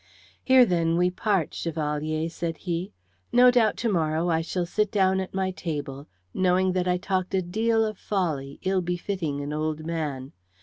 "Here, then, we part, Chevalier," said he. "No doubt to morrow I shall sit down at my table, knowing that I talked a deal of folly ill befitting an old man.